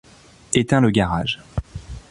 Éteins le garage.